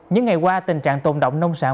những ngày qua tình trạng tồn động nông sản